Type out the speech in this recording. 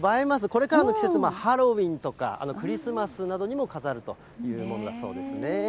これからの季節、ハロウィーンとか、クリスマスなどにも飾るというものだそうですね。